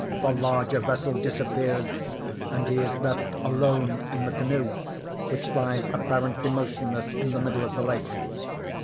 The larger vessel disappears, and he is left alone in the canoe, which lies apparently motionless in the middle of the lake.